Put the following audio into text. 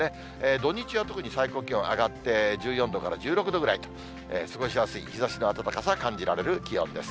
土日は特に最高気温上がって１４度から１６度ぐらいと、過ごしやすい、日ざしの暖かさを感じられる気温です。